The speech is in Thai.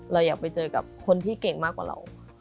เราอยากไปเจอกับคนที่เก่งมากกว่าเรา